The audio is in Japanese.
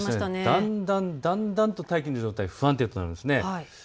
だんだんだんだん大気の状態、不安定となります。